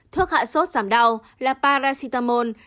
thuốc hạ sốt giảm đau là paracetamol